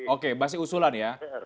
oke bahasanya usulan ya